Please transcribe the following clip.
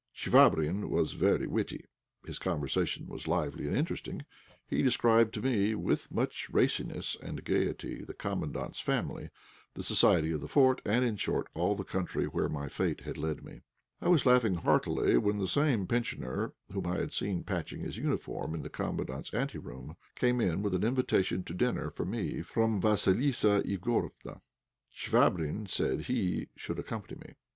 Chvabrine was very witty. His conversation was lively and interesting. He described to me, with, much raciness and gaiety, the Commandant's family, the society of the fort, and, in short, all the country where my fate had led me. I was laughing heartily when the same pensioner whom I had seen patching his uniform in the Commandant's ante room, came in with an invitation to dinner for me from Vassilissa Igorofna. Chvabrine said he should accompany me.